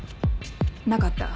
なかった。